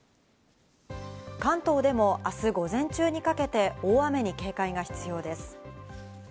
関東でも明日午前中にかけて大雨に警戒が必要です。